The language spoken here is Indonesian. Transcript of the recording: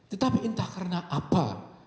tetapi entah karena apa